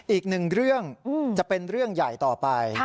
อีกหนึ่งเรื่องจะเป็นเรื่องใหญ่ต่อไป